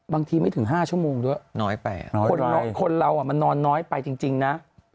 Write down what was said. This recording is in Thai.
ไม่ถึง๕ชั่วโมงด้วยคนเรามันนอนน้อยไปจริงนะ